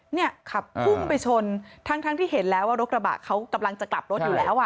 เนี่ยขับพุ่งไปชนทั้งที่เห็นแล้วว่ารถกระบะเขากำลังจะกลับรถอยู่แล้วอ่ะ